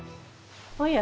おや。